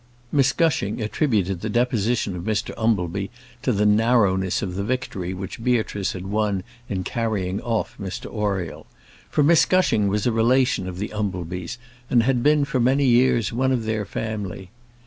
Miss Gushing attributed the deposition of Mr Umbleby to the narrowness of the victory which Beatrice had won in carrying off Mr Oriel. For Miss Gushing was a relation of the Umblebys, and had been for many years one of their family.